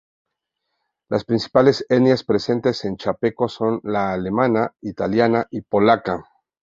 Las principales etnias presentes en Chapecó son la alemana, italiana y polaca.